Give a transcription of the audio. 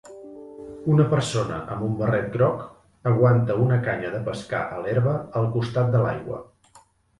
Una persona amb un barret groc aguanta una canya de pescar a l'herba al costat de l'aigua.